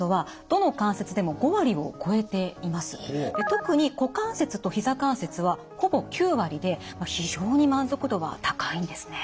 特に股関節とひざ関節はほぼ９割で非常に満足度は高いんですね。